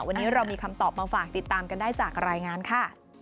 วันนี้เรามีคำตอบมาฝากติดตามกันได้จากรายงานค่ะ